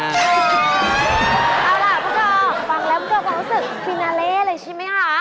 เอาล่ะพ่อค่ะฟังแล้วเกือบรู้สึกฟินาเลเลยใช่ไหมคะ